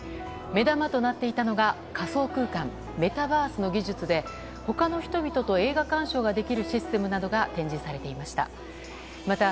目玉となっていたのが仮想空間メタバースの技術で他の人々と映画鑑賞ができるシステムなどが展示されていました。